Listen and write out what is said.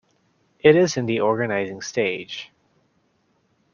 It is in the organizing stage.